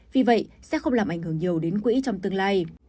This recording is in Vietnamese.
vì vậy sẽ không làm ảnh hưởng nhiều đến quỹ trong tương lai